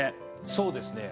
そうですね。